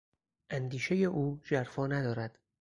اندیشهی او ژرفا ندارد.